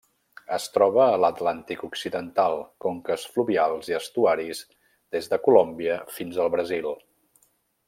Es troba a l'Atlàntic occidental: conques fluvials i estuaris des de Colòmbia fins al Brasil.